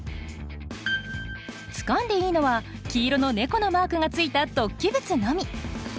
つかんでいいのは黄色の猫のマークがついた突起物のみ。